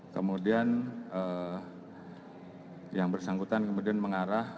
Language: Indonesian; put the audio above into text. kemudian yang bersangkutan kemudian mengarah